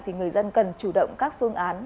thì người dân cần chủ động các phương án